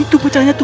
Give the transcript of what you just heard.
itu bocahnya tuh